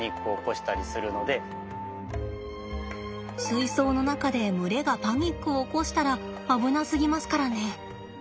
水槽の中で群れがパニックを起こしたら危なすぎますからね。